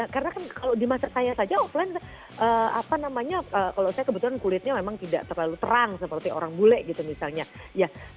karena kan kalau di masa saya saja offline apa namanya kalau saya kebetulan kulitnya memang tidak terlalu terang seperti orang bule gitu misalnya